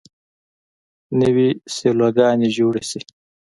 نوې سیلوګانې جوړې شي.